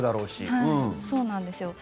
はい、そうなんですよ。